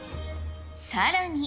さらに。